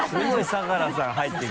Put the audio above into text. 相樂さん！